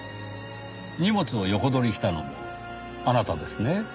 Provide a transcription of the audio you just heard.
荷物を横取りしたのもあなたですね？